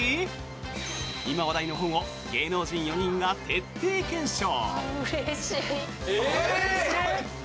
今話題の本を芸能人４人が徹底検証！